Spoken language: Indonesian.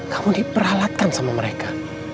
kamu diperalatkan sama mereka